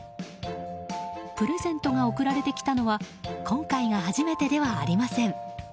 プレゼントが贈られてきたのは今回が初めてではありません。